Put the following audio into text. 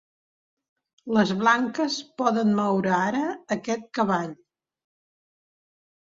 Les blanques poden moure ara aquest cavall.